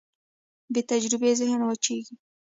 بېتجربې ذهن وچېږي.